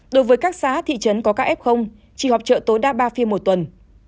đối với các xã thị trấn có các f chỉ họp trợ tối đa ba phiên một tuần